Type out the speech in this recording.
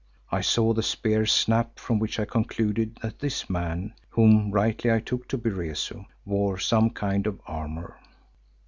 I saw the spear snap, from which I concluded that this man, whom rightly I took to be Rezu, wore some kind of armour.